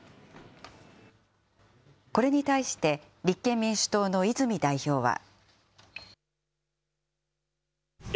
これに対して立憲民主党の泉代表は。